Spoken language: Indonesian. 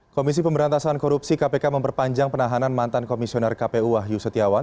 komisi pemberantasan korupsi kpk memperpanjang penahanan mantan komisioner kpu wahyu setiawan